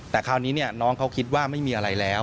แต่คราวนี้น้องเขาคิดว่าไม่มีอะไรแล้ว